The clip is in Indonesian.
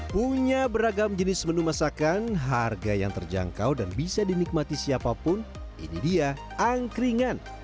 punya beragam jenis menu masakan harga yang terjangkau dan bisa dinikmati siapapun ini dia angkringan